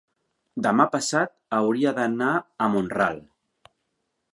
demà passat hauria d'anar a Mont-ral.